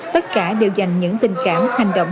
tất cả đều dành những tình cảm hành động